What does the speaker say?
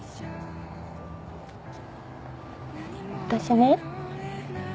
私ね。